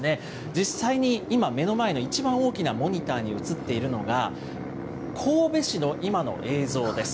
実際に今、目の前の一番大きなモニターに映っているのが、神戸市の今の映像です。